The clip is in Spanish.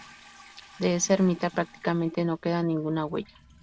De esa ermita prácticamente no queda ninguna huella.